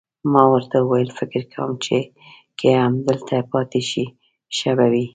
ما ورته وویل: فکر کوم چې که همدلته پاتې شئ، ښه به وي.